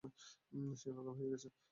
সে পাগল হয়ে গেছে।